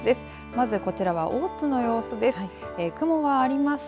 まず、こちらは大津の様子です。